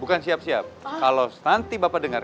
bukan siap siap kalau nanti bapak dengar